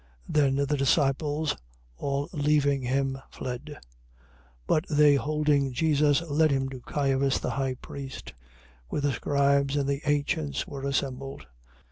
Then the disciples, all leaving him, fled. 26:57. But they holding Jesus led him to Caiphas the high priest, where the scribes and the ancients were assembled.